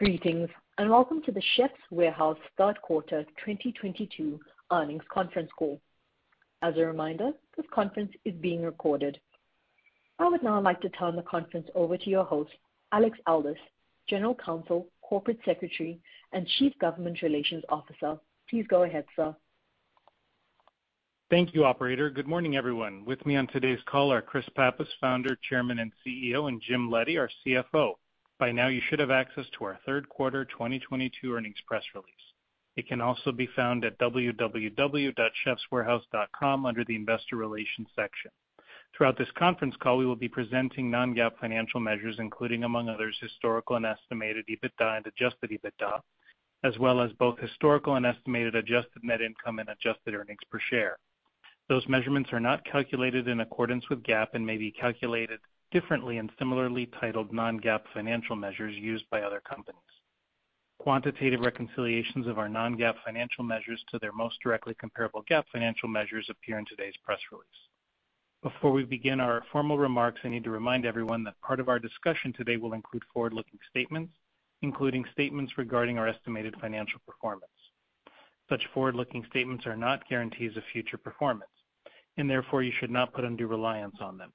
Greetings, and welcome to The Chefs' Warehouse third quarter 2022 earnings conference call. As a reminder, this conference is being recorded. I would now like to turn the conference over to your host, Alexandros Aldous, General Counsel, Corporate Secretary, and Chief Government Relations Officer. Please go ahead, sir. Thank you, operator. Good morning, everyone. With me on today's call are Chris Pappas, Founder, Chairman, and CEO, and James Leddy, our CFO. By now, you should have access to our third quarter 2022 earnings press release. It can also be found at www.chefswarehouse.com under the Investor Relations section. Throughout this conference call, we will be presenting non-GAAP financial measures, including among others, historical and estimated EBITDA and adjusted EBITDA, as well as both historical and estimated adjusted net income and adjusted earnings per share. Those measurements are not calculated in accordance with GAAP and may be calculated differently in similarly titled non-GAAP financial measures used by other companies. Quantitative reconciliations of our non-GAAP financial measures to their most directly comparable GAAP financial measures appear in today's press release Before we begin our formal remarks, I need to remind everyone that part of our discussion today will include forward-looking statements, including statements regarding our estimated financial performance. Such forward-looking statements are not guarantees of future performance, and therefore, you should not put undue reliance on them.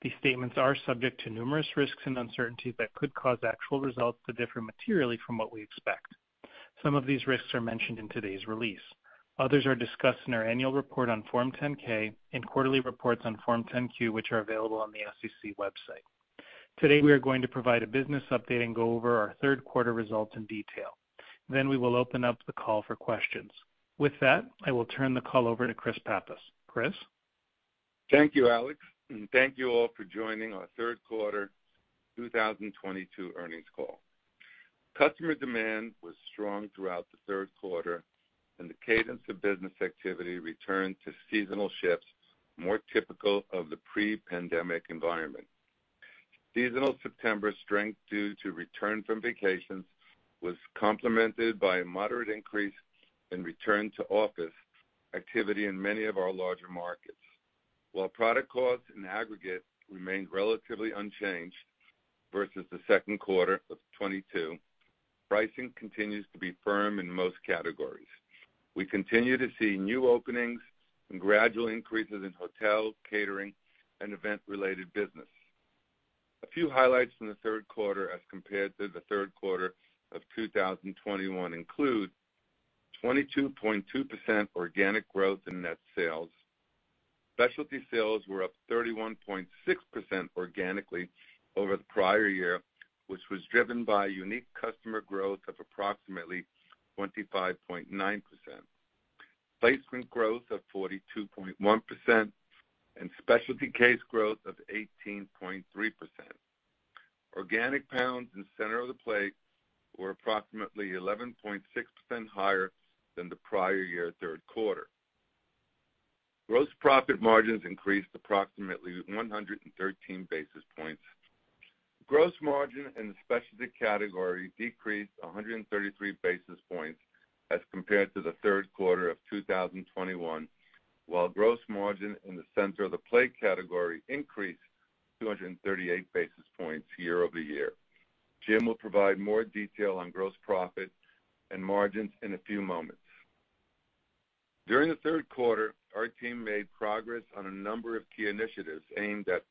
These statements are subject to numerous risks and uncertainties that could cause actual results to differ materially from what we expect. Some of these risks are mentioned in today's release. Others are discussed in our annual report on Form 10-K and quarterly reports on Form 10-Q, which are available on the SEC website. Today, we are going to provide a business update and go over our third quarter results in detail. Then we will open up the call for questions. With that, I will turn the call over to Chris Pappas. Chris? Thank you, Alex, and thank you all for joining our third quarter 2022 earnings call. Customer demand was strong throughout the third quarter and the cadence of business activity returned to seasonal shifts more typical of the pre-pandemic environment. Seasonal September strength due to return from vacations was complemented by a moderate increase in return to office activity in many of our larger markets. While product costs in aggregate remained relatively unchanged versus the second quarter of 2022, pricing continues to be firm in most categories. We continue to see new openings and gradual increases in hotel, catering, and event-related business. A few highlights from the third quarter as compared to the third quarter of 2021 include 22.2% organic growth in net sales. Specialty sales were up 31.6% organically over the prior year, which was driven by unique customer growth of approximately 25.9%, placement growth of 42.1% and specialty case growth of 18.3%. Organic pounds in Center of the Plate were approximately 11.6% higher than the prior-year third quarter. Gross profit margins increased approximately 113 basis points. Gross margin in the specialty category decreased 133 basis points as compared to the third quarter of 2021, while gross margin in the Center of the Plate category increased 238 basis points year-over-year. James will provide more detail on gross profit and margins in a few moments. During the third quarter, our team made progress on a number of key initiatives aimed at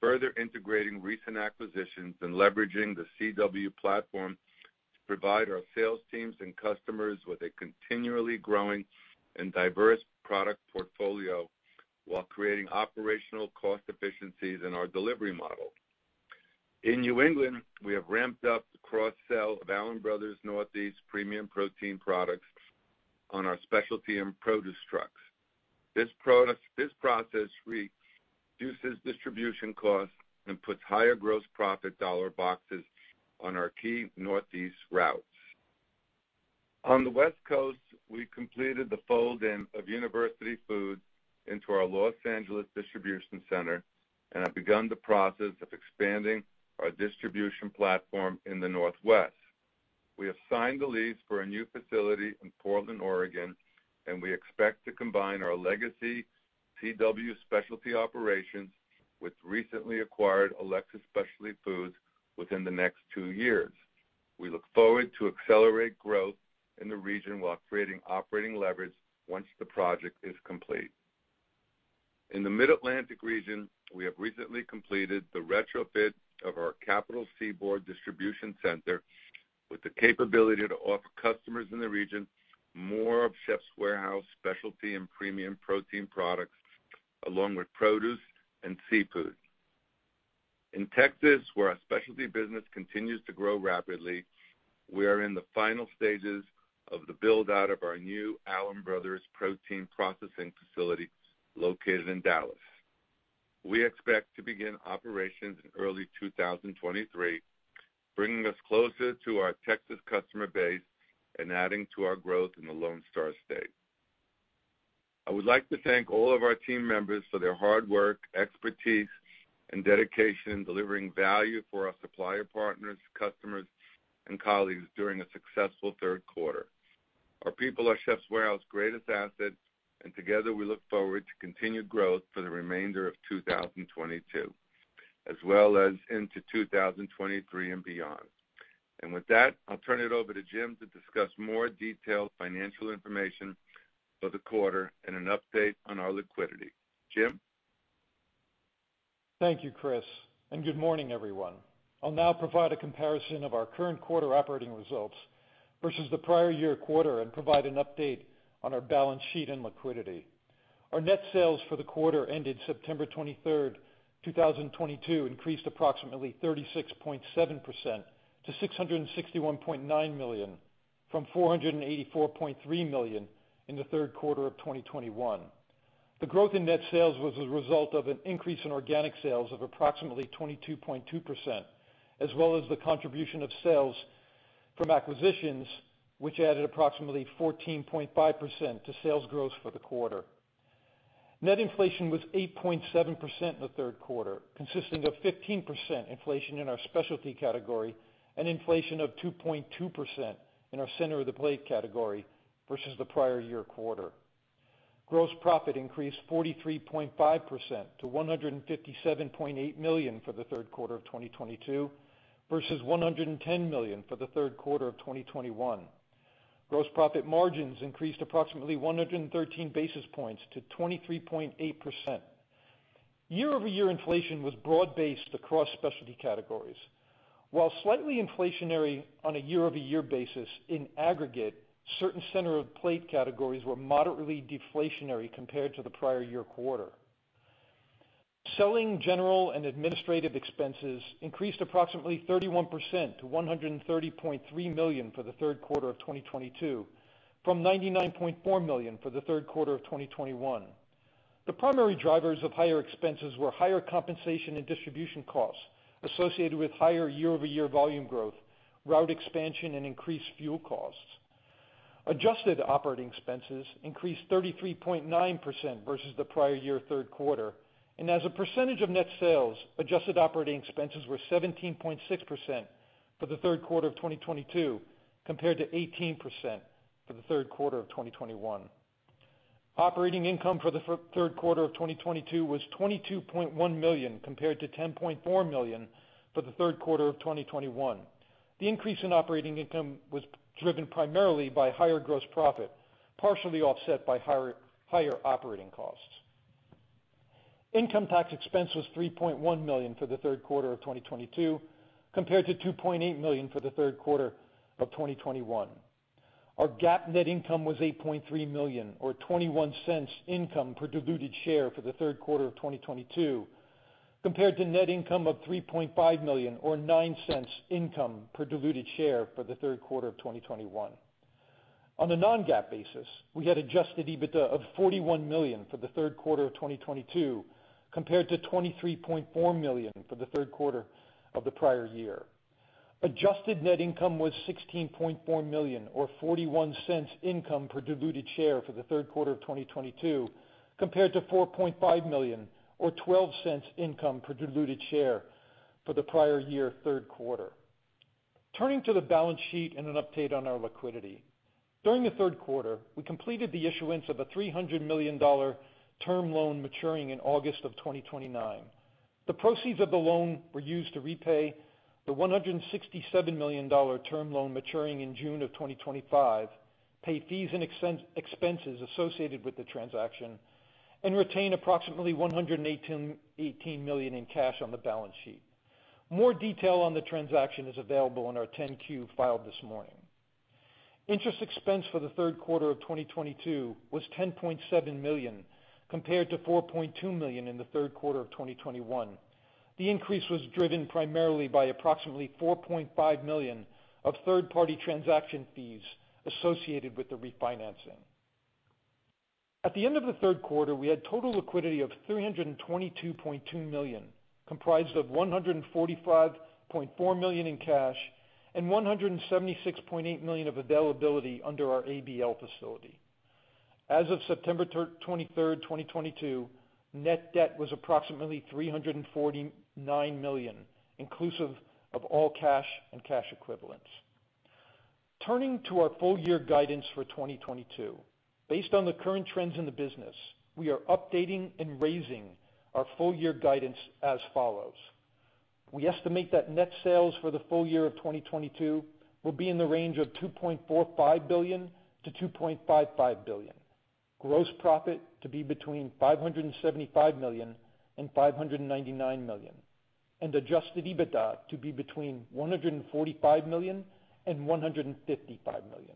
further integrating recent acquisitions and leveraging the CW platform to provide our sales teams and customers with a continually growing and diverse product portfolio while creating operational cost efficiencies in our delivery model. In New England, we have ramped up the cross-sell of Allen Brothers Northeast premium protein products on our specialty and produce trucks. This process reduces distribution costs and puts higher gross profit dollar boxes on our key Northeast routes. On the West Coast, we completed the fold-in of University Foods into our Los Angeles distribution center and have begun the process of expanding our distribution platform in the Northwest. We have signed the lease for a new facility in Portland, Oregon, and we expect to combine our legacy CW specialty operations with recently acquired Alexis Foods within the next two years. We look forward to accelerate growth in the region while creating operating leverage once the project is complete. In the Mid-Atlantic region, we have recently completed the retrofit of our Capital Seaboard distribution center with the capability to offer customers in the region more of The Chefs' Warehouse specialty and premium protein products, along with produce and seafood. In Texas, where our specialty business continues to grow rapidly, we are in the final stages of the build-out of our new Allen Brothers protein processing facility located in Dallas. We expect to begin operations in early 2023, bringing us closer to our Texas customer base and adding to our growth in the Lone Star State. I would like to thank all of our team members for their hard work, expertise, and dedication in delivering value for our supplier partners, customers, and colleagues during a successful third quarter. Our people are The Chefs' Warehouse's greatest asset, and together we look forward to continued growth for the remainder of 2022, as well as into 2023 and beyond. With that, I'll turn it over to James to discuss more detailed financial information for the quarter and an update on our liquidity. James? Thank you, Chris, and good morning, everyone. I'll now provide a comparison of our current quarter operating results versus the prior year quarter and provide an update on our balance sheet and liquidity. Our net sales for the quarter ended September 23, 2022, increased approximately 36.7% to $661.9 million from $484.3 million in the third quarter of 2021. The growth in net sales was a result of an increase in organic sales of approximately 22.2%, as well as the contribution of sales from acquisitions, which added approximately 14.5% to sales growth for the quarter. Net inflation was 8.7% in the third quarter, consisting of 15% inflation in our specialty category and inflation of 2.2% in our Center of the Plate category versus the prior year quarter. Gross profit increased 43.5% to $157.8 million for the third quarter of 2022 versus $110 million for the third quarter of 2021. Gross profit margins increased approximately 113 basis points to 23.8%. Year-over-year inflation was broad-based across specialty categories. While slightly inflationary on a year-over-year basis in aggregate, certain Center of the Plate categories were moderately deflationary compared to the prior year quarter. Selling, general, and administrative expenses increased approximately 31% to $130.3 million for the third quarter of 2022 from $99.4 million for the third quarter of 2021. The primary drivers of higher expenses were higher compensation and distribution costs associated with higher year-over-year volume growth, route expansion, and increased fuel costs. Adjusted operating expenses increased 33.9% versus the prior year third quarter. As a percentage of net sales, adjusted operating expenses were 17.6% for the third quarter of 2022 compared to 18% for the third quarter of 2021. Operating income for the third quarter of 2022 was $22.1 million compared to $10.4 million for the third quarter of 2021. The increase in operating income was driven primarily by higher gross profit, partially offset by higher operating costs. Income tax expense was $3.1 million for the third quarter of 2022 compared to $2.8 million for the third quarter of 2021. Our GAAP net income was $8.3 million or 21 cents per diluted share for the third quarter of 2022 compared to net income of $3.5 million or 9 cents per diluted share for the third quarter of 2021. On a non-GAAP basis, we had adjusted EBITDA of $41 million for the third quarter of 2022 compared to $23.4 million for the third quarter of the prior year. Adjusted net income was $16.4 million or $0.41 income per diluted share for the third quarter of 2022 compared to $4.5 million or $0.12 income per diluted share for the prior year third quarter. Turning to the balance sheet and an update on our liquidity. During the third quarter, we completed the issuance of a $300 million term loan maturing in August of 2029. The proceeds of the loan were used to repay the $167 million term loan maturing in June of 2025, pay fees and expenses associated with the transaction, and retain approximately $118 million in cash on the balance sheet. More detail on the transaction is available in our 10-Q filed this morning. Interest expense for the third quarter of 2022 was $10.7 million compared to $4.2 million in the third quarter of 2021. The increase was driven primarily by approximately $4.5 million of third-party transaction fees associated with the refinancing. At the end of the third quarter, we had total liquidity of $322.2 million, comprised of $145.4 million in cash and $176.8 million of availability under our ABL facility. As of September 30, 2022, net debt was approximately $349 million, inclusive of all cash and cash equivalents. Turning to our full year guidance for 2022. Based on the current trends in the business, we are updating and raising our full year guidance as follows. We estimate that net sales for the full year of 2022 will be in the range of $2.45 billion-$2.55 billion. Gross profit to be between $575 million-$599 million. Adjusted EBITDA to be between $145 million-$155 million.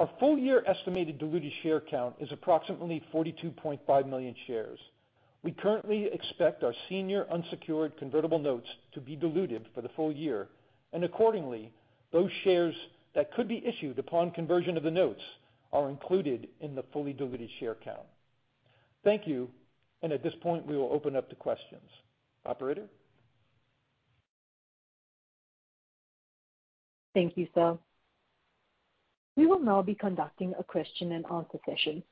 Our full year estimated diluted share count is approximately 42.5 million shares. We currently expect our senior unsecured convertible notes to be diluted for the full year, and accordingly, those shares that could be issued upon conversion of the notes are included in the fully diluted share count. Thank you. At this point, we will open up to questions. Operator? Thank you, sir. We will now be conducting a question and answer session.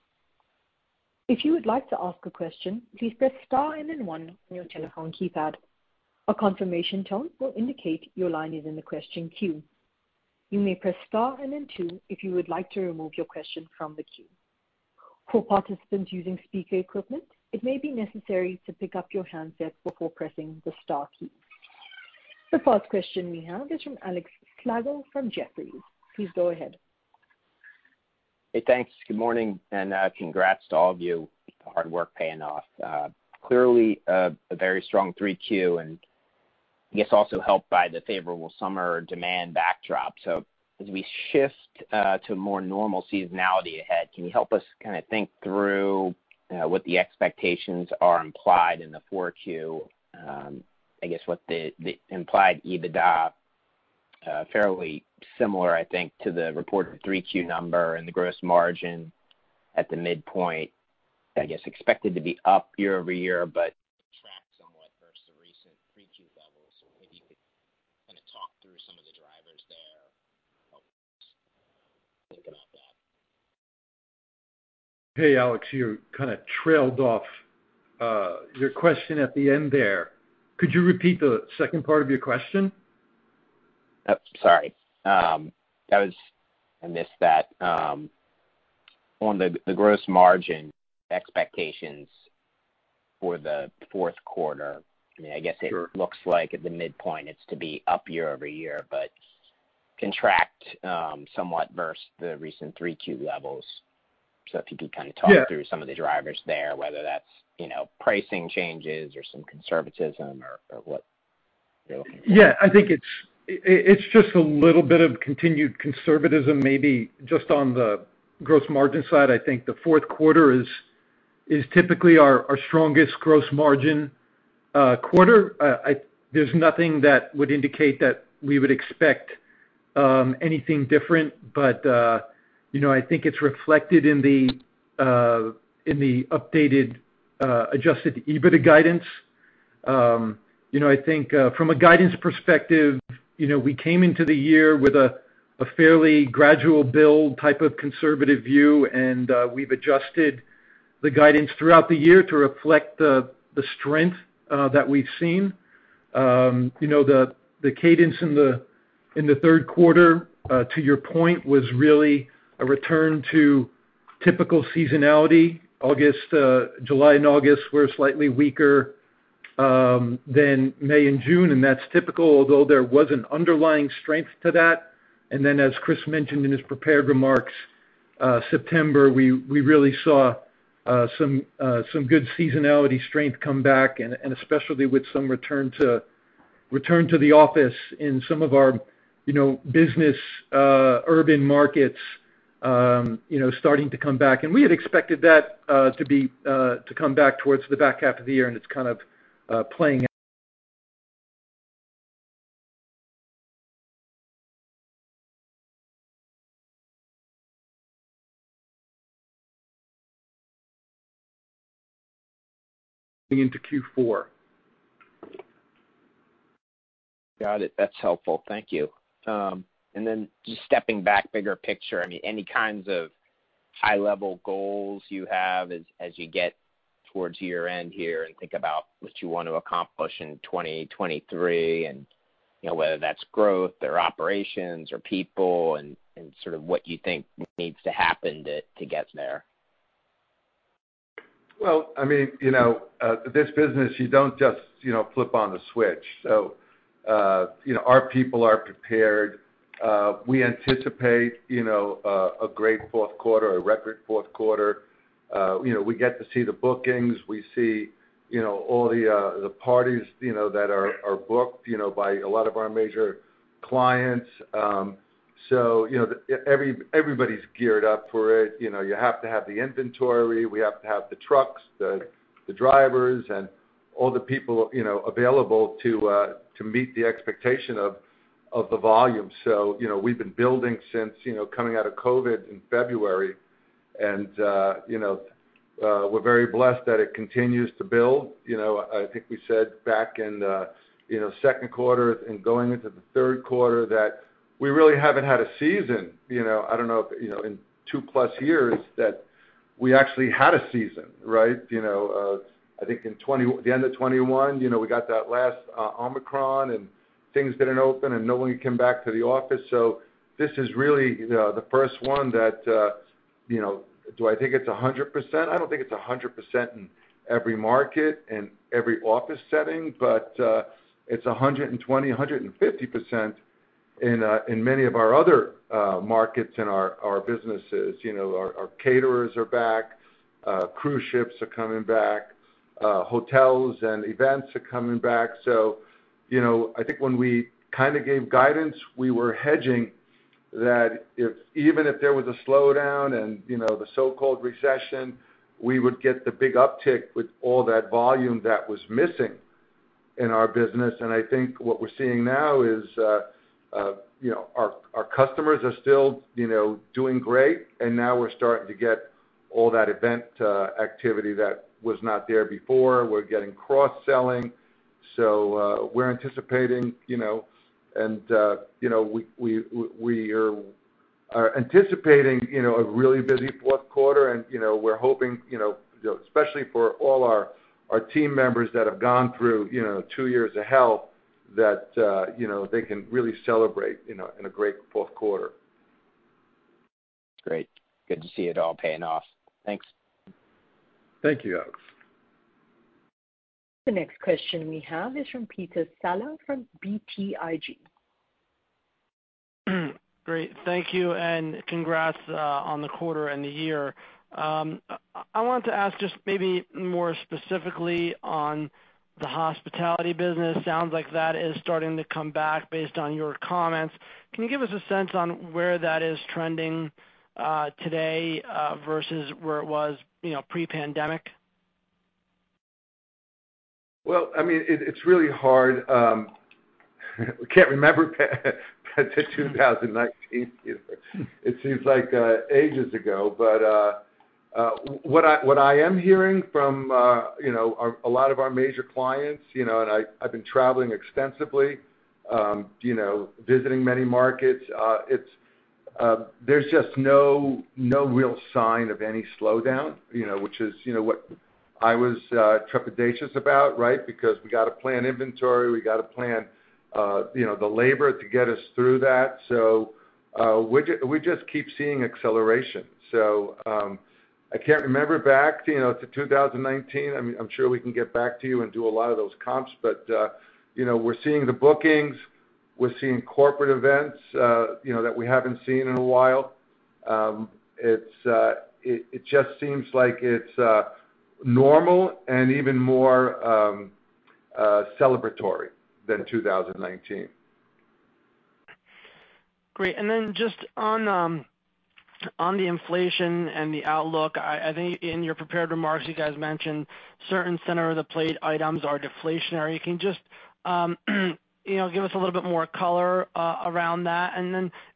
If you would like to ask a question, please press star and then one on your telephone keypad. A confirmation tone will indicate your line is in the question queue. You may press star and then two if you would like to remove your question from the queue. For participants using speaker equipment, it may be necessary to pick up your handset before pressing the star key. The first question we have is from Alex Slagle from Jefferies. Please go ahead. Hey, thanks. Good morning and congrats to all of you. The hard work paying off. Clearly, a very strong 3Q and I guess also helped by the favorable summer demand backdrop. As we shift to more normal seasonality ahead, can you help us kinda think through what the expectations are implied in the 4Q, I guess what the implied EBITDA fairly similar, I think, to the reported 3Q number and the gross margin at the midpoint, I guess expected to be up year-over-year but track somewhat versus recent 3Q levels. Maybe you could kinda talk through some of the drivers there. Help us think about that. Hey, Alex, you kinda trailed off, your question at the end there. Could you repeat the second part of your question? Sorry. I missed that. On the gross margin expectations for the fourth quarter, I mean, I guess. Sure It looks like at the midpoint it's to be up year-over-year, but contrast somewhat versus the recent 3Q levels. If you could kinda talk through- Yeah Some of the drivers there, whether that's, you know, pricing changes or some conservatism or what you're looking for. Yeah, I think it's just a little bit of continued conservatism, maybe just on the gross margin side. I think the fourth quarter is typically our strongest gross margin quarter. There's nothing that would indicate that we would expect anything different. You know, I think it's reflected in the updated adjusted EBITDA guidance. You know, I think from a guidance perspective, you know, we came into the year with a fairly gradual build type of conservative view, and we've adjusted the guidance throughout the year to reflect the strength that we've seen. You know, the cadence in the third quarter, to your point, was really a return to typical seasonality. July and August were slightly weaker than May and June, and that's typical, although there was an underlying strength to that. As Chris mentioned in his prepared remarks, September, we really saw some good seasonality strength come back and especially with some return to the office in some of our, you know, business urban markets, you know, starting to come back. We had expected that to come back towards the back half of the year, and it's kind of playing into Q4. Got it. That's helpful. Thank you. Just stepping back bigger picture, I mean, any kinds of high level goals you have as you get towards year-end here and think about what you want to accomplish in 2023 and, you know, whether that's growth or operations or people and sort of what you think needs to happen to get there? Well, I mean, you know, this business, you don't just, you know, flip on the switch. So, you know, our people are prepared. We anticipate, you know, a great fourth quarter, a record fourth quarter. You know, we get to see the bookings. We see, you know, all the parties, you know, that are booked, you know, by a lot of our major clients. So, you know, everybody's geared up for it. You know, you have to have the inventory. We have to have the trucks, the drivers and all the people, you know, available to to meet the expectation of the volume. So, you know, we've been building since, you know, coming out of COVID in February and, you know, we're very blessed that it continues to build. You know, I think we said back in the, you know, second quarter and going into the third quarter that we really haven't had a season. You know, I don't know if, you know, in two plus years that we actually had a season, right? You know, I think in the end of 2021, you know, we got that last, Omicron and things didn't open and no one came back to the office. This is really, you know, the first one that, you know. Do I think it's 100%? I don't think it's 100% in every market and every office setting, but, it's 120, 150% in many of our other, markets and our businesses. You know, our caterers are back, cruise ships are coming back, hotels and events are coming back. You know, I think when we kinda gave guidance, we were hedging that even if there was a slowdown and, you know, the so-called recession, we would get the big uptick with all that volume that was missing in our business. I think what we're seeing now is, you know, our customers are still, you know, doing great, and now we're starting to get all that event activity that was not there before. We're getting cross-selling. We're anticipating, you know, a really busy fourth quarter and, you know, we're hoping, you know, especially for all our team members that have gone through, you know, two years of hell that, you know, they can really celebrate, you know, in a great fourth quarter. Great. Good to see it all paying off. Thanks. Thank you, Alex. The next question we have is from Peter Saleh from BTIG. Great. Thank you, and congrats on the quarter and the year. I want to ask just maybe more specifically on the hospitality business. Sounds like that is starting to come back based on your comments. Can you give us a sense on where that is trending today versus where it was, you know, pre-pandemic? Well, I mean, it's really hard. We can't remember back to 2019, Peter. It seems like ages ago. What I am hearing from you know a lot of our major clients, you know, and I've been traveling extensively, you know, visiting many markets, there's just no real sign of any slowdown, you know, which is you know what I was trepidatious about, right? Because we gotta plan inventory, we gotta plan you know the labor to get us through that. We just keep seeing acceleration. I can't remember back you know to 2019. I mean, I'm sure we can get back to you and do a lot of those comps but, you know, we're seeing the bookings, we're seeing corporate events, you know, that we haven't seen in a while. It just seems like it's normal and even more celebratory than 2019. Great. Just on the inflation and the outlook, I think in your prepared remarks, you guys mentioned certain Center of the Plate items are deflationary. Can you just, you know, give us a little bit more color around that?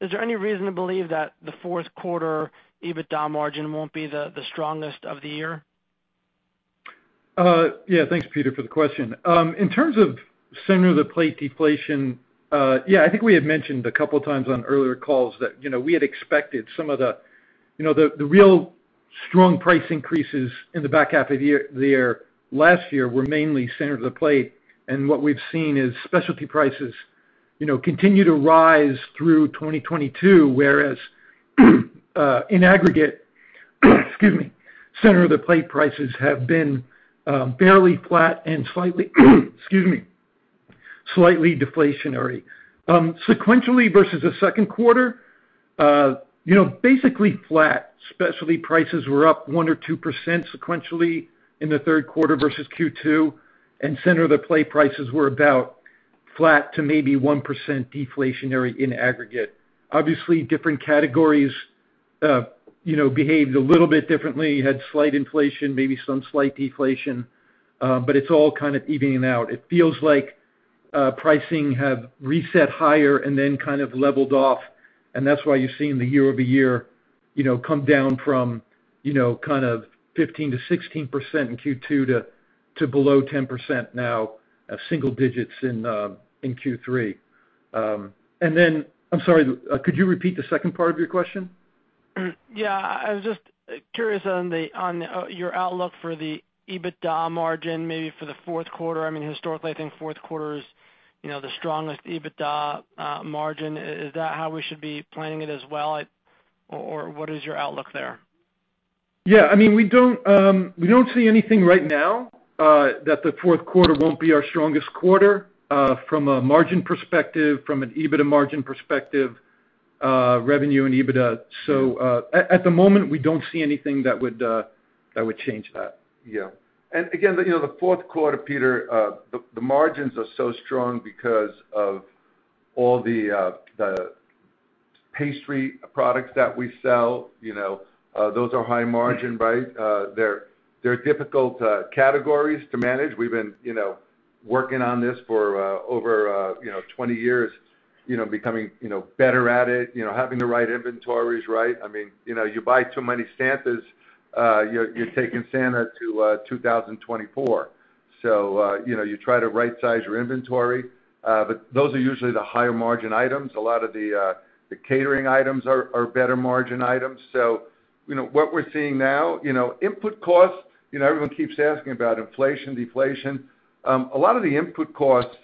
Is there any reason to believe that the fourth quarter EBITDA margin won't be the strongest of the year? Yeah, thanks, Peter, for the question. In terms of center of the plate deflation, yeah, I think we had mentioned a couple of times on earlier calls that, you know, we had expected some of the, you know, the real strong price increases in the back half of the year, last year were mainly center of the plate, and what we've seen is specialty prices, you know, continue to rise through 2022, whereas in aggregate, center of the plate prices have been fairly flat and slightly deflationary. Sequentially versus the second quarter, you know, basically flat. Specialty prices were up 1% or 2% sequentially in the third quarter versus Q2, and center of the plate prices were about flat to maybe 1% deflationary in aggregate. Obviously, different categories, you know, behaved a little bit differently, had slight inflation, maybe some slight deflation, but it's all kind of evening out. It feels like, pricing have reset higher and then kind of leveled off, and that's why you're seeing the year-over-year, you know, come down from, you know, kind of 15%-16% in Q2 to below 10% now of single digits in Q3. I'm sorry, could you repeat the second part of your question? Yeah. I was just curious on your outlook for the EBITDA margin, maybe for the fourth quarter. I mean, historically, I think fourth quarter is, you know, the strongest EBITDA margin. Is that how we should be planning it as well at, or what is your outlook there? I mean, we don't see anything right now that the fourth quarter won't be our strongest quarter from a margin perspective, from an EBITDA margin perspective, revenue and EBITDA. At the moment, we don't see anything that would change that. Yeah. Again, you know, the fourth quarter, Peter, the margins are so strong because of all the pastry products that we sell. You know, those are high margin, right? They're difficult categories to manage. We've been you know working on this for over you know 20 years you know becoming you know better at it you know having the right inventories, right? I mean, you know, you buy too many Santas, you're taking Santa to 2024. You know, you try to right-size your inventory, but those are usually the higher margin items. A lot of the catering items are better margin items. You know, what we're seeing now, you know, input costs, you know, everyone keeps asking about inflation, deflation. A lot of the input costs,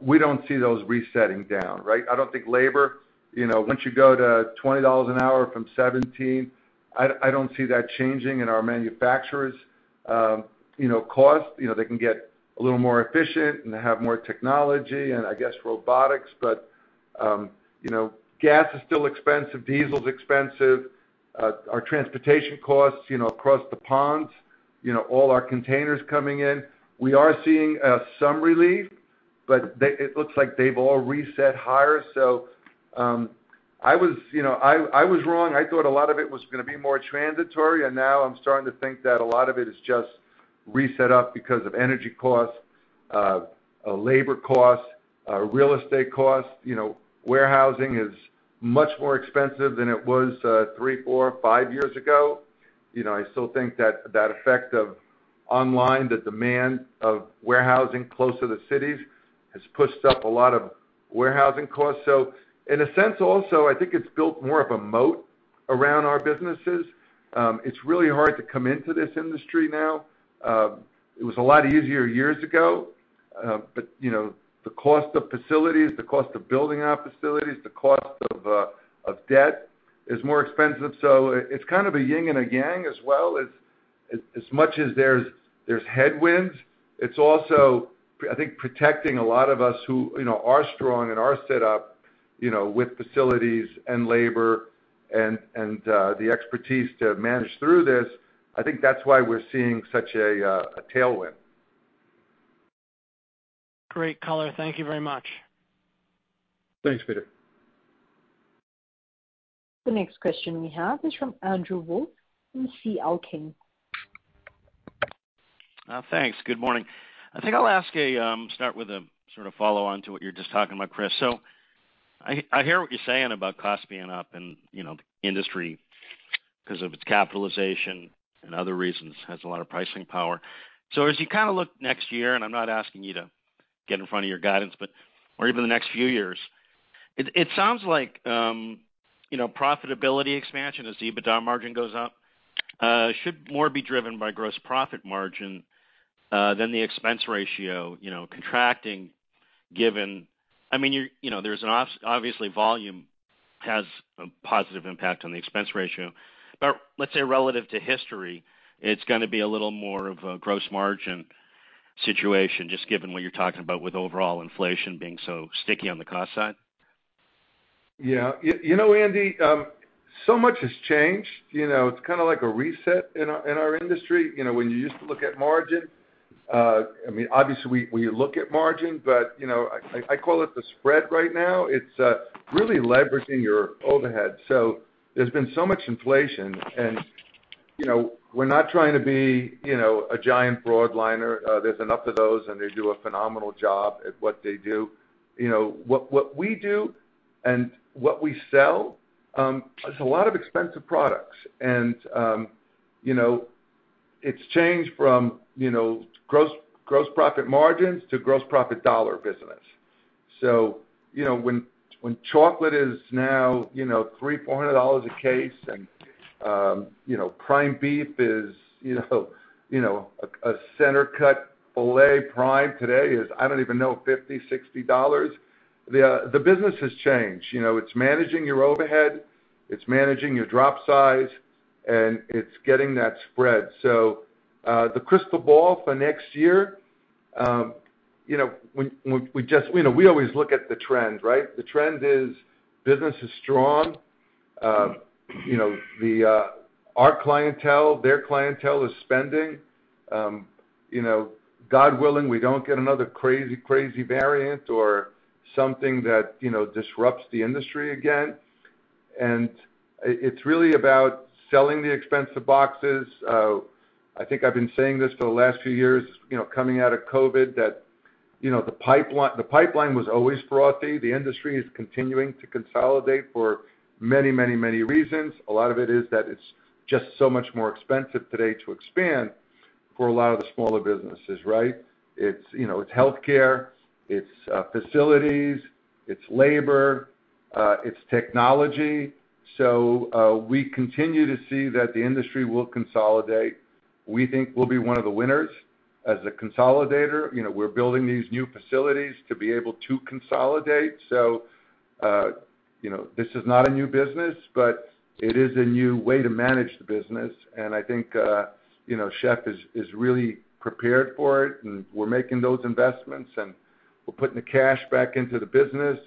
we don't see those resetting down, right? I don't think labor, you know, once you go to $20 an hour from $17, I don't see that changing in our manufacturers. You know, cost, you know, they can get a little more efficient and have more technology and I guess robotics. You know, gas is still expensive, diesel is expensive, our transportation costs, you know, across the pond, you know, all our containers coming in. We are seeing some relief, but it looks like they've all reset higher. I was, you know, wrong. I thought a lot of it was gonna be more transitory, and now I'm starting to think that a lot of it is just reset up because of energy costs, labor costs, real estate costs. You know, warehousing is much more expensive than it was three, four, five years ago. You know, I still think that effect of online, the demand of warehousing close to the cities has pushed up a lot of warehousing costs. In a sense, also, I think it's built more of a moat around our businesses. It's really hard to come into this industry now. It was a lot easier years ago, but you know, the cost of facilities, the cost of building our facilities, the cost of debt is more expensive. It's kind of a yin and a yang as well, as much as there's headwinds, it's also, I think, protecting a lot of us who, you know, are strong and are set up, you know, with facilities and labor and the expertise to manage through this. I think that's why we're seeing such a tailwind. Great color. Thank you very much. Thanks, Peter. The next question we have is from Andrew Wolf from C.L. King. Thanks. Good morning. I think I'll start with a sort of follow-on to what you're just talking about, Chris. I hear what you're saying about cost being up and, you know, the industry, 'cause of its capitalization and other reasons, has a lot of pricing power. As you kind of look next year, and I'm not asking you to get in front of your guidance, but or even the next few years, it sounds like, you know, profitability expansion as the EBITDA margin goes up, should more be driven by gross profit margin than the expense ratio, you know, contracting. I mean, you know, there's obviously, volume has a positive impact on the expense ratio. Let's say relative to history, it's gonna be a little more of a gross margin situation, just given what you're talking about with overall inflation being so sticky on the cost side. Yeah. You know, Andy, so much has changed. You know, it's kinda like a reset in our industry. You know, when you used to look at margin, I mean, obviously we look at margin, but you know I call it the spread right now. It's really leveraging your overhead. There's been so much inflation and you know we're not trying to be you know a giant broadliner. There's enough of those, and they do a phenomenal job at what they do. You know, what we do and what we sell is a lot of expensive products. You know, it's changed from gross profit margins to gross profit dollar business. You know, when chocolate is now, you know, $300-$400 a case and, you know, prime beef is, you know, a center cut filet prime today is, I don't even know, $50-$60. The business has changed. You know, it's managing your overhead, it's managing your drop size, and it's getting that spread. The crystal ball for next year, you know, we know we always look at the trend, right? The trend is business is strong. You know, our clientele, their clientele is spending. You know, God willing, we don't get another crazy variant or something that, you know, disrupts the industry again. It's really about selling the expensive boxes. I think I've been saying this for the last few years, you know, coming out of COVID, that, you know, the pipeline was always frothy. The industry is continuing to consolidate for many, many, many reasons. A lot of it is that it's just so much more expensive today to expand for a lot of the smaller businesses, right? It's, you know, it's healthcare, it's facilities, it's labor, it's technology. So, you know, this is not a new business, but it is a new way to manage the business. I think, you know, Chefs' is really prepared for it, and we're making those investments, and we're putting the cash back into the business.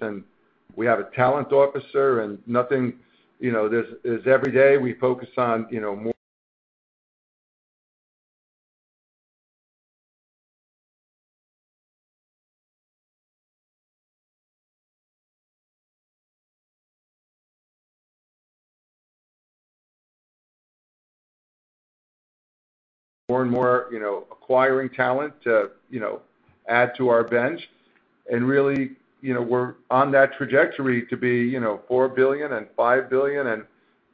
We have a talent officer and now, you know, as every day we focus on, you know, more and more, you know, acquiring talent to, you know, add to our bench. Really, you know, we're on that trajectory to be, you know, $4 billion and $5 billion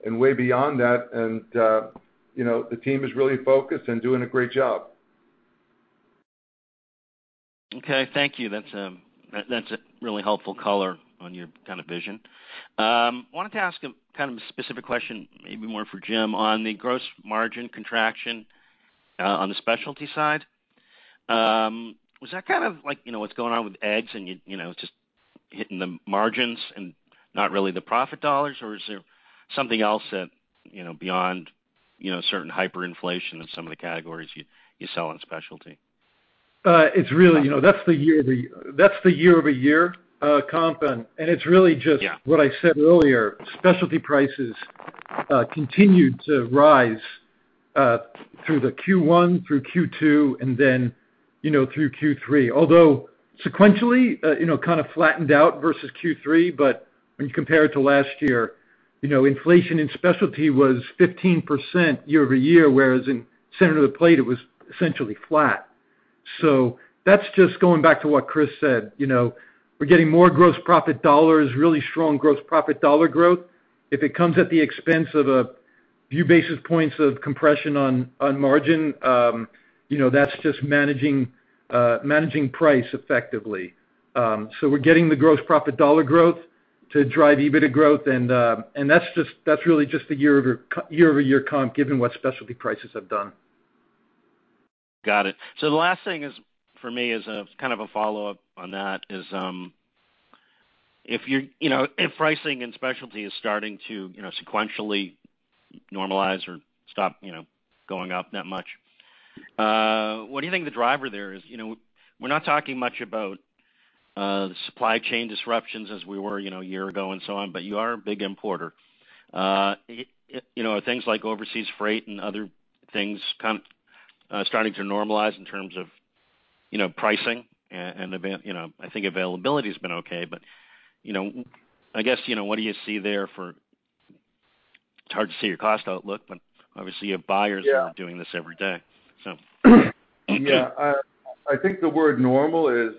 and way beyond that. You know, the team is really focused and doing a great job. Okay. Thank you. That's a really helpful color on your kind of vision. Wanted to ask a kind of a specific question, maybe more for James, on the gross margin contraction on the specialty side. Was that kind of like, you know, what's going on with eggs and, you know, just hitting the margins and not really the profit dollars? Or is there something else that, you know, beyond, you know, certain hyperinflation in some of the categories you sell on specialty? It's really, you know, that's the year-over-year comp. It's really just- Yeah. What I said earlier. Specialty prices continued to rise through the Q1, through Q2, and then, you know, through Q3. Although sequentially, you know, kind of flattened out versus Q3, but when you compare it to last year, you know, inflation in specialty was 15% year-over-year, whereas in Center of the Plate, it was essentially flat. That's just going back to what Chris said. You know, we're getting more gross profit dollars, really strong gross profit dollar growth. If it comes at the expense of a few basis points of compression on margin, you know, that's just managing price effectively. We're getting the gross profit dollar growth to drive EBITDA growth and that's really just the year-over-year comp, given what specialty prices have done. Got it. The last thing for me is a kind of a follow-up on that, if you're, you know, if pricing and specialty is starting to, you know, sequentially normalize or stop, you know, going up that much, what do you think the driver there is? You know, we're not talking much about the supply chain disruptions as we were, you know, a year ago and so on, but you are a big importer. You know, are things like overseas freight and other things starting to normalize in terms of, you know, pricing and availability. You know, I think availability's been okay, but, you know, I guess, you know, what do you see there for. It's hard to see your cost outlook, but obviously your buyers- Yeah Are doing this every day. Yeah. I think the word normal is,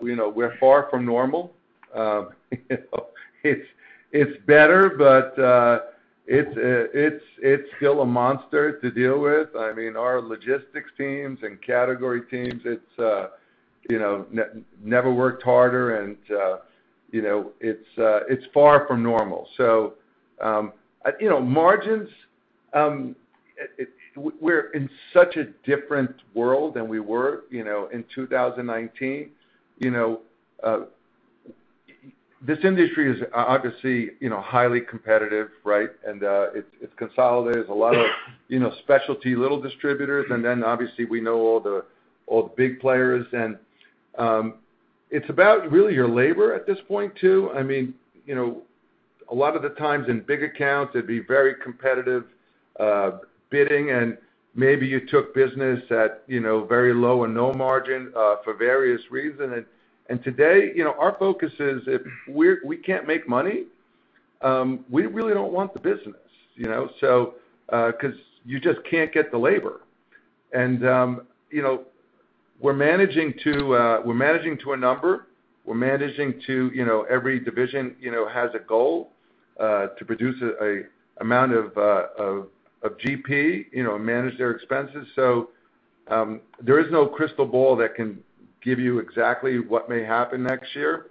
you know, we're far from normal. You know, it's better, but it's still a monster to deal with. I mean, our logistics teams and category teams, it's you know never worked harder and, you know, it's far from normal. You know, margins, we're in such a different world than we were, you know, in 2019. You know, this industry is obviously, you know, highly competitive, right? And it's consolidated. There's a lot of, you know, specialty little distributors, and then obviously we know all the, all the big players and, it's about really your labor at this point too. I mean, you know, a lot of the times in big accounts, it'd be very competitive bidding, and maybe you took business at, you know, very low and no margin, for various reason. Today, you know, our focus is we can't make money, we really don't want the business, you know? 'Cause you just can't get the labor. You know, we're managing to a number. We're managing to, you know, every division, you know, has a goal, to produce a amount of GP, you know, manage their expenses. There is no crystal ball that can give you exactly what may happen next year.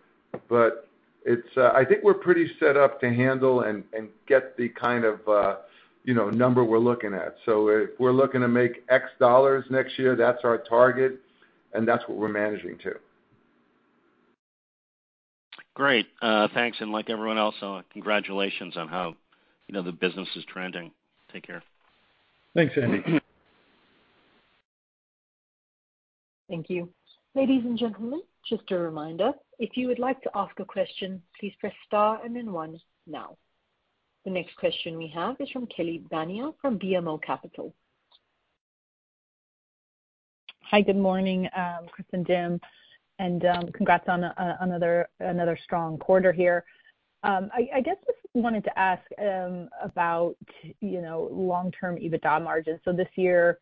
It's. I think we're pretty set up to handle and get the kind of, you know, number we're looking at. If we're looking to make $X next year, that's our target, and that's what we're managing to. Great. Thanks, and like everyone else, congratulations on how, you know, the business is trending. Take care. Thanks, Andy. Thank you. Ladies and gentlemen, just a reminder, if you would like to ask a question, please press star and then one now. The next question we have is from Kelly Bania from BMO Capital Markets. Hi, good morning, Chris and James, and congrats on another strong quarter here. I guess just wanted to ask about, you know, long-term EBITDA margins. This year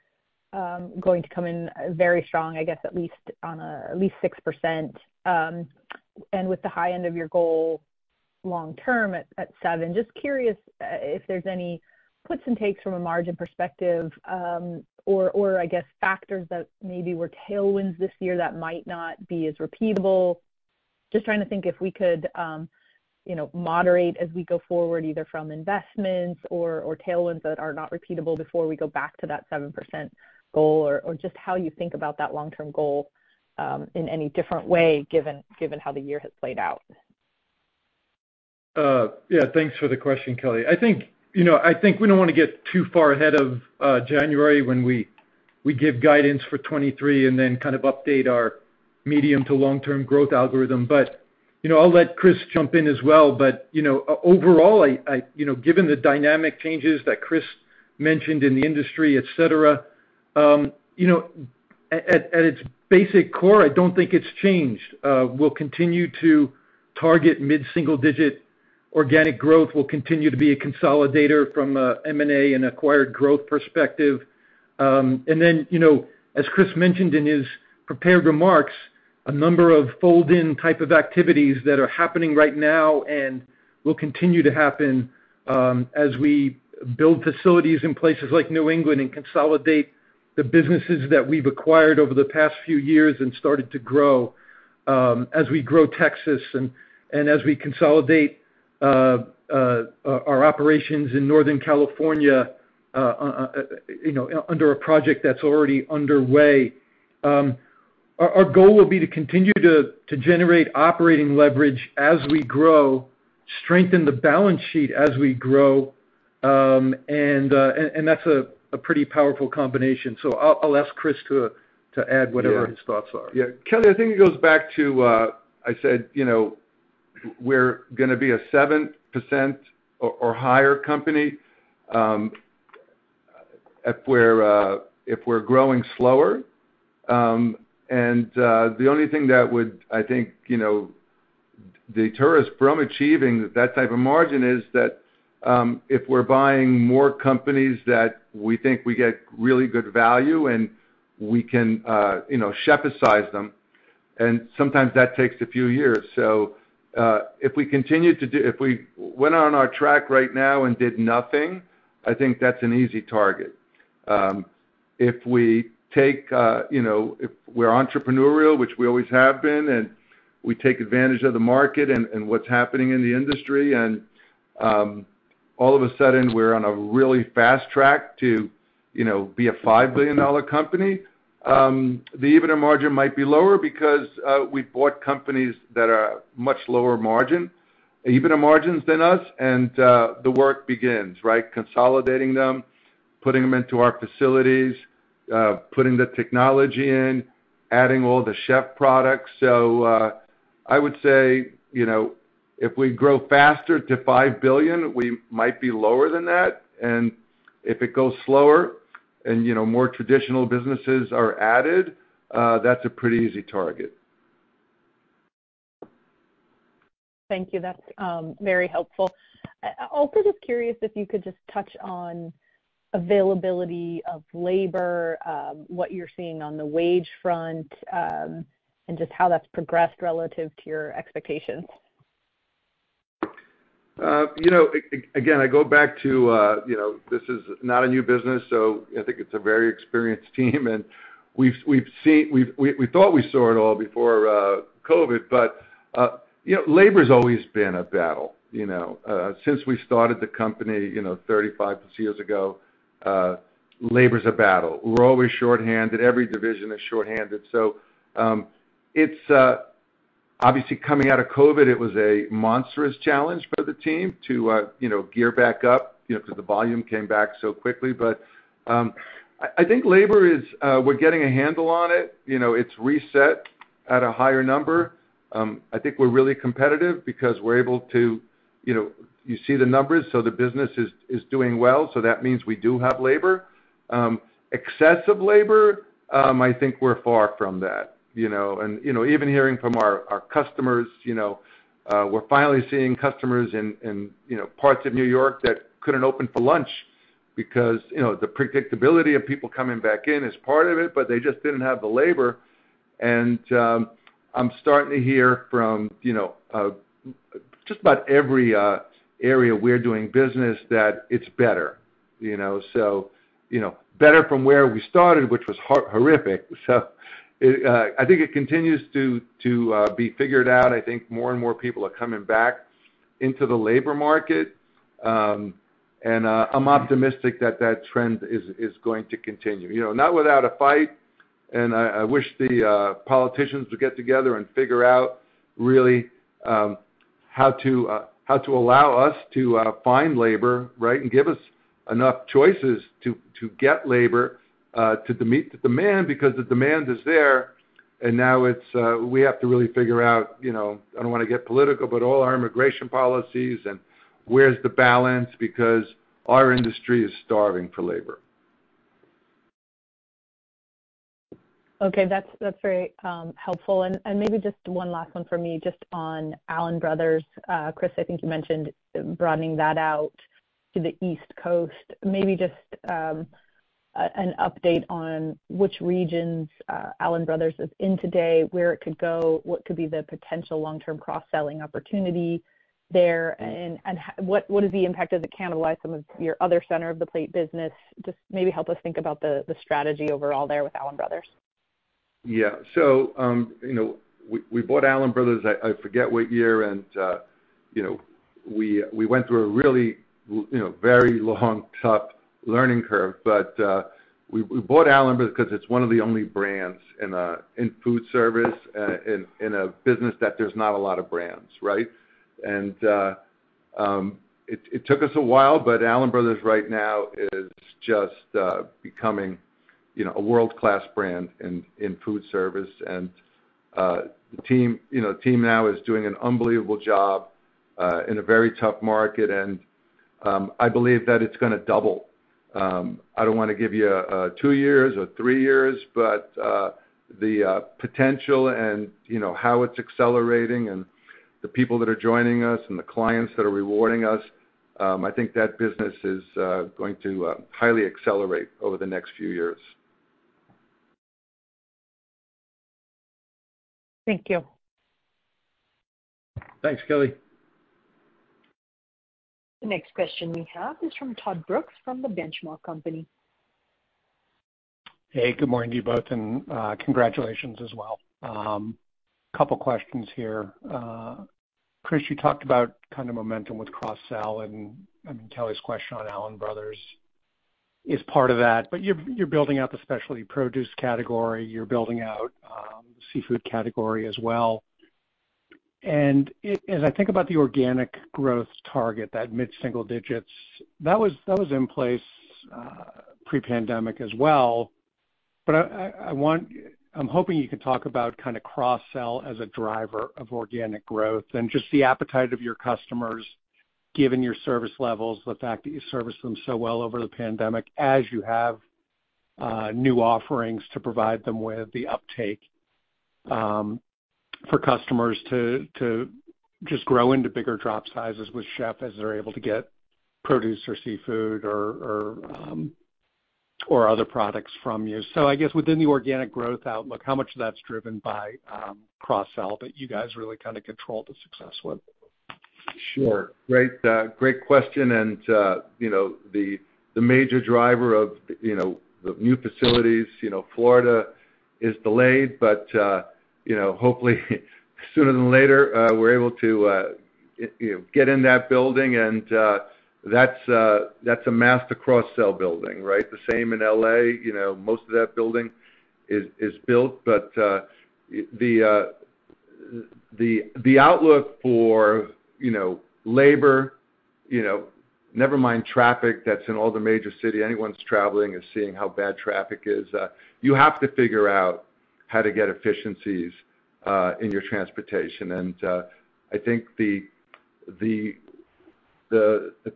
going to come in very strong, I guess at least 6%, and with the high end of your goal long term at 7%. Just curious, if there's any puts and takes from a margin perspective, or I guess factors that maybe were tailwinds this year that might not be as repeatable. Just trying to think if we could you know moderate as we go forward, either from investments or tailwinds that are not repeatable before we go back to that 7% goal or just how you think about that long-term goal in any different way given how the year has played out. Yeah, thanks for the question, Kelly. I think we don't wanna get too far ahead of January when we give guidance for 2023 and then kind of update our medium to long-term growth algorithm. You know, I'll let Chris jump in as well. You know, overall, you know, given the dynamic changes that Chris mentioned in the industry, et cetera, you know, at its basic core, I don't think it's changed. We'll continue to target mid-single digit organic growth. We'll continue to be a consolidator from a M&A and acquired growth perspective. You know, as Chris mentioned in his prepared remarks, a number of fold-in type of activities that are happening right now and will continue to happen, as we build facilities in places like New England and consolidate the businesses that we've acquired over the past few years and started to grow, as we grow Texas and as we consolidate our operations in Northern California, you know, under a project that's already underway. Our goal will be to continue to generate operating leverage as we grow, strengthen the balance sheet as we grow, and that's a pretty powerful combination. I'll ask Chris to add whatever his thoughts are. Yeah. Yeah. Kelly, I think it goes back to I said, you know, we're gonna be a 7% or higher company, and the only thing that would, I think, you know. The biggest hurdle to achieving that type of margin is that if we're buying more companies that we think we get really good value and we can, you know, Chef-ercise them, and sometimes that takes a few years. If we went on our track right now and did nothing, I think that's an easy target. If we take, you know, if we're entrepreneurial, which we always have been, and we take advantage of the market and what's happening in the industry, and all of a sudden we're on a really fast track to, you know, be a $5 billion company, the EBITDA margin might be lower because we bought companies that are much lower margin EBITDA margins than us, and the work begins, right? Consolidating them, putting them into our facilities, putting the technology in, adding all the chef products. I would say, you know, if we grow faster to $5 billion, we might be lower than that. If it goes slower and, you know, more traditional businesses are added, that's a pretty easy target. Thank you. That's very helpful. Also just curious if you could just touch on availability of labor, what you're seeing on the wage front, and just how that's progressed relative to your expectations. You know, I go back to, you know, this is not a new business, so I think it's a very experienced team and we've seen, we thought we saw it all before COVID, but you know, labor's always been a battle, you know. Since we started the company, you know, 35+ years ago, labor's a battle. We're always shorthanded. Every division is shorthanded. It's obviously coming out of COVID. It was a monstrous challenge for the team to gear back up, you know, because the volume came back so quickly. I think labor is, we're getting a handle on it. You know, it's reset at a higher number. I think we're really competitive because we're able to, you know. You see the numbers, so the business is doing well, so that means we do have labor. Excessive labor, I think we're far from that, you know. You know, even hearing from our customers, you know, we're finally seeing customers in, you know, parts of New York that couldn't open for lunch because, you know, the predictability of people coming back in is part of it, but they just didn't have the labor. I'm starting to hear from, you know, just about every area we're doing business that it's better, you know. You know, better from where we started, which was horrific. It, I think it continues to be figured out. I think more and more people are coming back into the labor market. I'm optimistic that that trend is going to continue. You know, not without a fight, and I wish the politicians would get together and figure out really how to allow us to find labor, right, and give us enough choices to get labor to meet the demand because the demand is there, and now it's we have to really figure out, you know, I don't wanna get political, but all our immigration policies and where's the balance because our industry is starving for labor. Okay. That's very helpful. Maybe just one last one for me, just on Allen Brothers. Chris, I think you mentioned broadening that out to the East Coast. Maybe just an update on which regions Allen Brothers is in today, where it could go, what could be the potential long-term cross-selling opportunity there, and what is the impact as it cannibalize some of your other Center of the Plate business? Just maybe help us think about the strategy overall there with Allen Brothers. Yeah. We bought Allen Brothers, I forget what year, and you know, we went through a really, you know, very long, tough learning curve. We bought Allen Brothers because it's one of the only brands in food service, in a business that there's not a lot of brands, right? It took us a while, but Allen Brothers right now is just becoming, you know, a world-class brand in food service. The team now is doing an unbelievable job in a very tough market, and I believe that it's gonna double. I don't wanna give you a two years or three years, but the potential and, you know, how it's accelerating and the people that are joining us and the clients that are rewarding us, I think that business is going to highly accelerate over the next few years. Thank you. Thanks, Kelly. The next question we have is from Todd Brooks from The Benchmark Company. Hey, good morning to you both, and congratulations as well. Couple questions here. Chris, you talked about kind of momentum with cross-sell, and I mean, Kelly's question on Allen Brothers is part of that, but you're building out the specialty produce category, you're building out seafood category as well. As I think about the organic growth target, that mid-single digits, that was in place pre-pandemic as well. I'm hoping you can talk about kinda cross-sell as a driver of organic growth and just the appetite of your customers given your service levels, the fact that you service them so well over the pandemic as you have new offerings to provide them with the uptake for customers to just grow into bigger drop sizes with Chefs' as they're able to get produce or seafood or other products from you. I guess within the organic growth outlook, how much of that's driven by cross-sell that you guys really kinda control the success with? Sure. Great question. You know, the major driver of you know, the new facilities you know, Florida is delayed, but you know, hopefully sooner rather than later, we're able to you know, get in that building and that's a master cross-sell building, right? The same in L.A., you know, most of that building is built. The outlook for you know, labor you know, never mind traffic that's in all the major cities. Anyone who's traveling is seeing how bad traffic is. You have to figure out how to get efficiencies in your transportation. I think the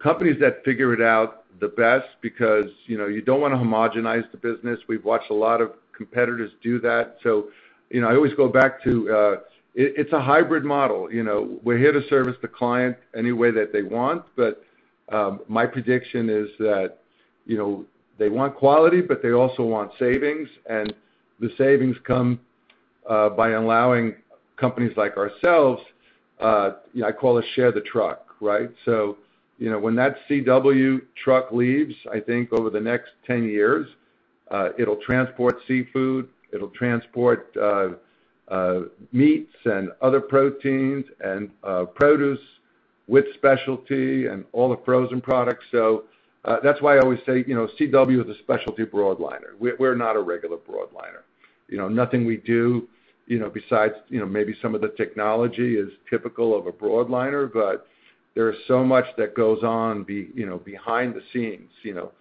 companies that figure it out the best, because you know, you don't wanna homogenize the business. We've watched a lot of competitors do that. You know, I always go back to, it's a hybrid model, you know. We're here to service the client any way that they want, but my prediction is that, you know, they want quality, but they also want savings. The savings come by allowing companies like ourselves. I call it share the truck, right? You know, when that CW truck leaves, I think over the next 10 years, it'll transport seafood, it'll transport meats and other proteins and produce with specialty and all the frozen products. That's why I always say, you know, CW is a specialty broadliner. We're not a regular broadliner. You know, nothing we do, you know, besides, you know, maybe some of the technology is typical of a broadliner, but there is so much that goes on you know, behind the scenes, you know,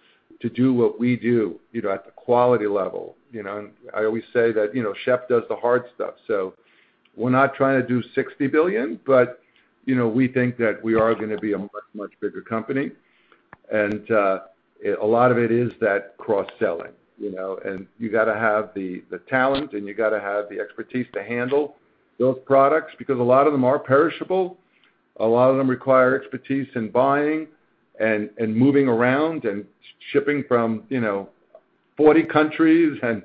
to do what we do, you know, at the quality level, you know. I always say that, you know, Chefs' does the hard stuff. We're not trying to do $60 billion, but, you know, we think that we are gonna be a much, much bigger company. A lot of it is that cross-selling, you know. You gotta have the talent, and you gotta have the expertise to handle those products because a lot of them are perishable. A lot of them require expertise in buying and moving around and shipping from, you know, 40 countries and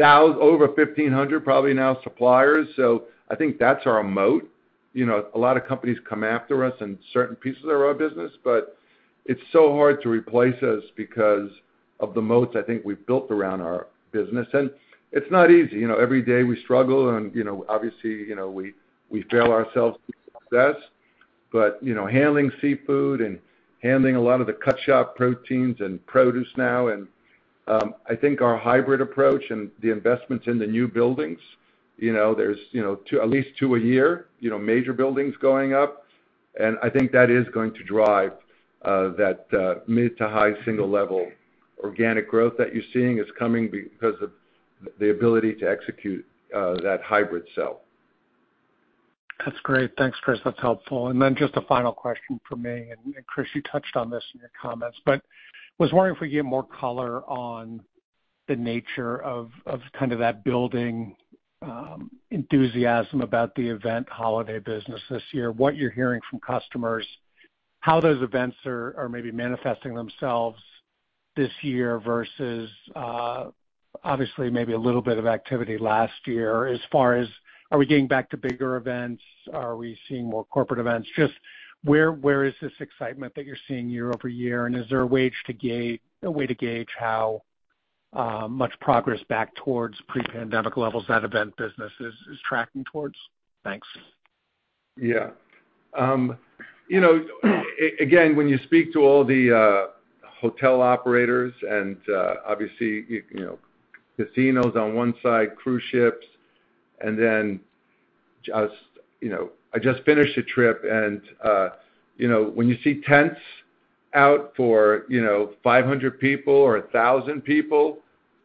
over 1,500 probably now suppliers. I think that's our moat. You know, a lot of companies come after us in certain pieces of our business, but it's so hard to replace us because of the moats I think we've built around our business. It's not easy. You know, every day we struggle and, you know, obviously, you know, we fail ourselves to success. You know, handling seafood and handling a lot of the cut shop proteins and produce now, and I think our hybrid approach and the investments in the new buildings, you know, there's at least two a year, you know, major buildings going up. I think that is going to drive that mid to high single level organic growth that you're seeing is coming because of the ability to execute that hybrid sell. That's great. Thanks, Chris. That's helpful. Then just a final question from me. Chris, you touched on this in your comments, but was wondering if we could get more color on the nature of kind of that building enthusiasm about the event holiday business this year. What you're hearing from customers, how those events are maybe manifesting themselves this year versus obviously maybe a little bit of activity last year as far as are we getting back to bigger events? Are we seeing more corporate events? Just where is this excitement that you're seeing year-over-year? Is there a way to gauge how much progress back towards pre-pandemic levels that event business is tracking towards? Thanks. Yeah. You know, again, when you speak to all the hotel operators and obviously, you know, casinos on one side, cruise ships, and then just, you know, I just finished a trip and, you know, when you see tents out for, you know, 500 people or 1,000 people,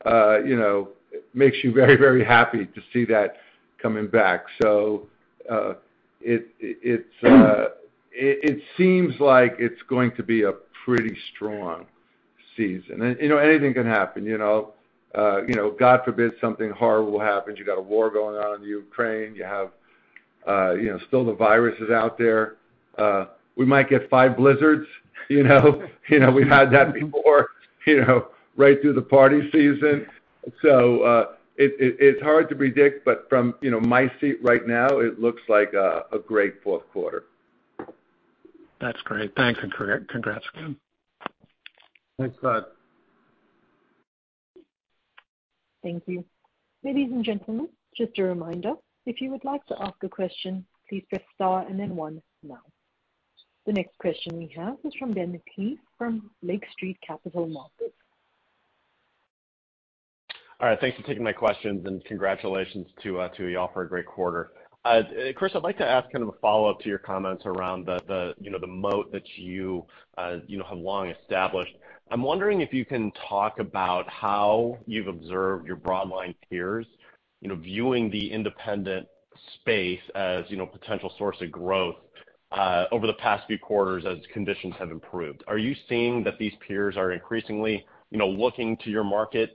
you know, it makes you very very happy to see that coming back. It seems like it's going to be a pretty strong season. You know, anything can happen, you know. You know, God forbid, something horrible happens. You got a war going on in Ukraine. You have, you know, still the virus is out there. We might get five blizzards, you know? You know, we've had that before, you know, right through the party season. It's hard to predict, but from my seat right now, you know, it looks like a great fourth quarter. That's great. Thanks, and congrats again. Thanks, Brooks. Thank you. Ladies and gentlemen, just a reminder, if you would like to ask a question, please press star and then one now. The next question we have is from Ben Theurer from Lake Street Capital Markets. All right, thanks for taking my questions, and congratulations to you all for a great quarter. Chris, I'd like to ask kind of a follow-up to your comments around the moat that you know have long established. I'm wondering if you can talk about how you've observed your broadline peers, you know, viewing the independent space as you know potential source of growth over the past few quarters as conditions have improved. Are you seeing that these peers are increasingly you know looking to your market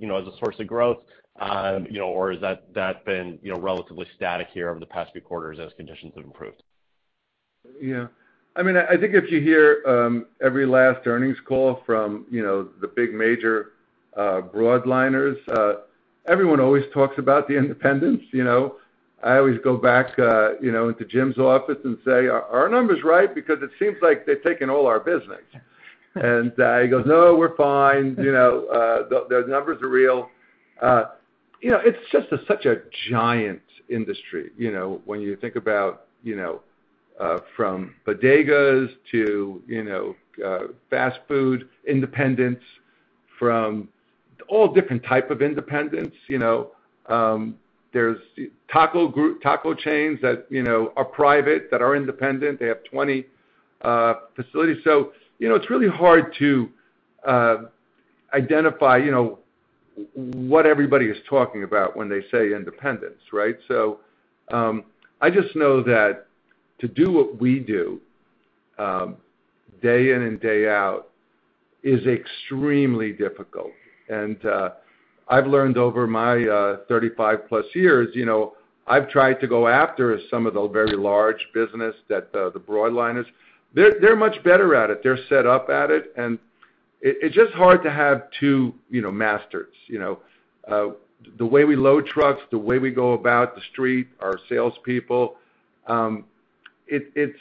you know as a source of growth? You know, or has that been you know relatively static here over the past few quarters as conditions have improved? Yeah. I mean, I think if you hear every last earnings call from, you know, the big major broadliners, everyone always talks about the independents. You know, I always go back, you know, into James office and say, "Are our numbers right? Because it seems like they've taken all our business." He goes, "No, we're fine. You know, the numbers are real." You know, it's just such a giant industry, you know, when you think about, you know, from bodegas to, you know, fast food independents from all different type of independents, you know. There's taco chains that, you know, are private, that are independent, they have 20 facilities. So, you know, it's really hard to identify, you know, what everybody is talking about when they say independents, right? I just know that to do what we do, day in and day out is extremely difficult. I've learned over my 35+ years, you know, I've tried to go after some of the very large business that the broadliners. They're much better at it. They're set up at it, and it's just hard to have two, you know, masters. You know, the way we load trucks, the way we go about the street, our salespeople, it's.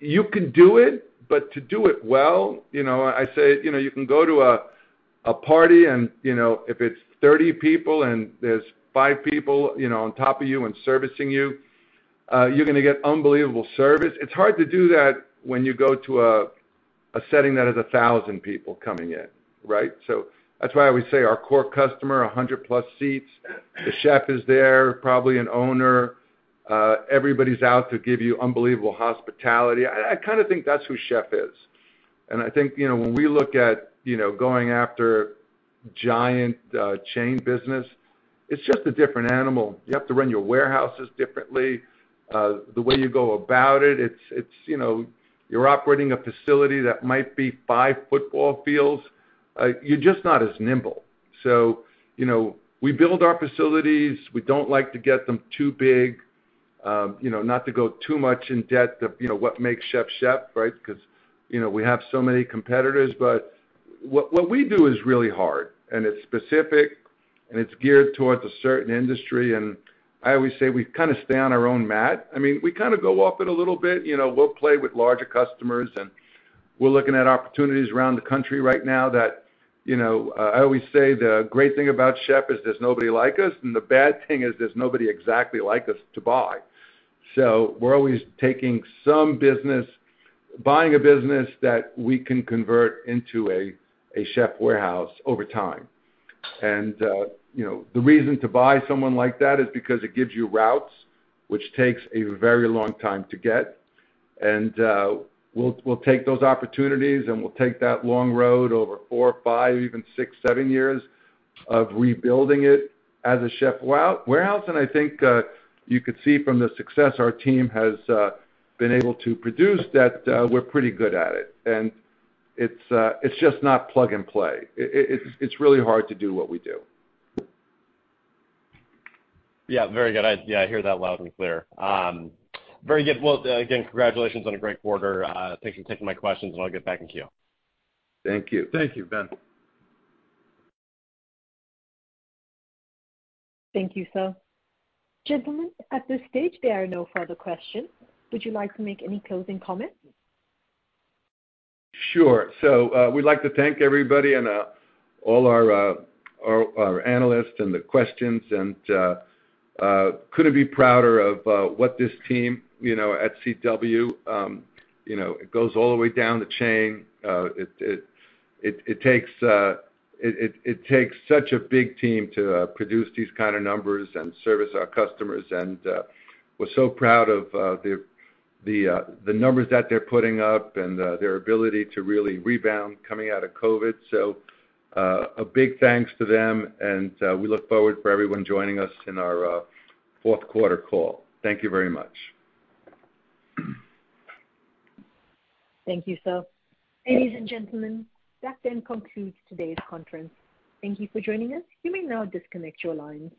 You can do it, but to do it well, you know, I say, you know, you can go to a party and, you know, if it's 30 people and there's five people, you know, on top of you and servicing you're gonna get unbelievable service. It's hard to do that when you go to a setting that has 1,000 people coming in, right? That's why we say our core customer, 100+ seats, the chef is there, probably an owner. Everybody's out to give you unbelievable hospitality. I kinda think that's who Chefs' is. I think, you know, when we look at, you know, going after giant chain business, it's just a different animal. You have to run your warehouses differently. The way you go about it's, you know, you're operating a facility that might be five football fields. You're just not as nimble. You know, we build our facilities. We don't like to get them too big. You know, not to go too much in debt of, you know, what makes Chefs', right? Because, you know, we have so many competitors. But what we do is really hard, and it's specific, and it's geared towards a certain industry. I always say we kinda stay on our own mat. I mean, we kinda go off it a little bit. You know, we'll play with larger customers, and we're looking at opportunities around the country right now that, you know, I always say the great thing about Chefs' is there's nobody like us, and the bad thing is there's nobody exactly like us to buy. We're always taking some business, buying a business that we can convert into a Chefs' warehouse over time. You know, the reason to buy someone like that is because it gives you routes, which takes a very long time to get. We'll take those opportunities, and we'll take that long road over four, five, even six, years of rebuilding it as a Chefs' Warehouse. I think you could see from the success our team has been able to produce that we're pretty good at it. It's just not plug and play. It's really hard to do what we do. Yeah, very good. Yeah, I hear that loud and clear. Very good. Well, again, congratulations on a great quarter. Thank you for taking my questions, and I'll get back in queue. Thank you. Thank you, Ben. Thank you, sir. Gentlemen, at this stage, there are no further questions. Would you like to make any closing comments? Sure. We'd like to thank everybody and all our analysts and the questions. We couldn't be prouder of what this team, you know, at CW, you know, it goes all the way down the chain. It takes such a big team to produce these kinda numbers and service our customers. We're so proud of the numbers that they're putting up and their ability to really rebound coming out of COVID. A big thanks to them, and we look forward for everyone joining us in our fourth quarter call. Thank you very much. Thank you, sir. Ladies and gentlemen, that then concludes today's conference. Thank you for joining us. You may now disconnect your lines.